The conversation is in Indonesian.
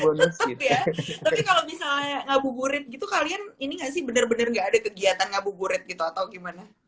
tetep ya tapi kalo misalnya ngabu burit gitu kalian ini gak sih bener bener gak ada kegiatan ngabu burit gitu atau gimana